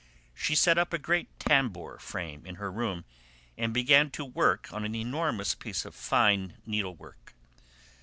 She set up a great tambour frame in her room and began to work on an enormous piece of fine needlework.